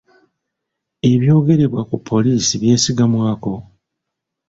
Ebyogerebwa ku poliisi byesigamwako?